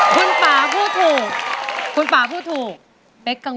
ก็อ่อนไปเอง